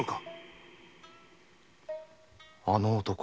あの男か。